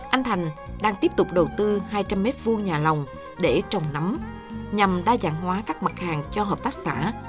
anh thành đang tiếp tục đầu tư hai trăm linh m hai nhà lòng để trồng nấm nhằm đa dạng hóa các mặt hàng cho hợp tác xã